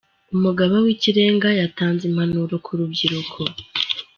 umugaba w'ikirenga yatanze impanuro kurubyiruko.